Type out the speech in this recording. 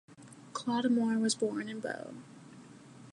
Clodumar was born in Boe.